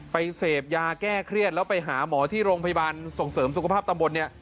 เสพยาแก้เครียดแล้วไปหาหมอที่โรงพยาบาลส่งเสริมสุขภาพตำบลเนี่ย